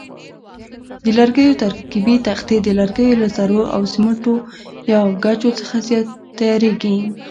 د لرګیو ترکیبي تختې د لرګیو له ذرو او سیمټو یا ګچو څخه تیاریږي.